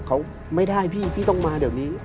เขาไม่ได้พี่พี่ต้องมาเดี๋ยวนี้